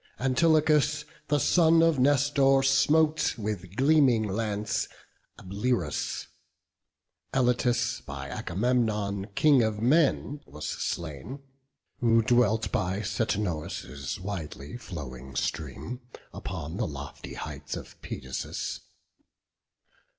Antilochus, the son of Nestor, smote With gleaming lance Ablerus; Elatus By Agamemnon, King of men, was slain, Who dwelt by Satnois' widely flowing stream, Upon the lofty heights of Pedasus.